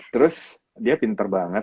terus dia pinter banget